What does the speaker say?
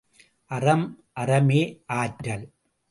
அறம் அறமே ஆற்றல்!